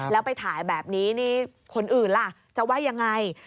แล้วไปถ่ายแบบนี้นี่คนอื่นล่ะจะว่ายังไง